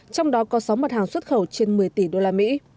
trong đó có sáu mặt hàng xuất khẩu trên một mươi tỷ usd